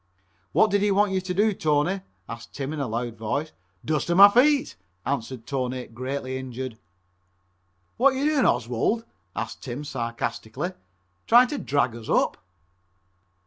"What did he want yer to do, Tony?" asked Tim in a loud voice. "Dusta my feet," answered Tony, greatly injured. "What yer doin', Oswald?" asks Tim sarcastically, "tryin' to drag us up?"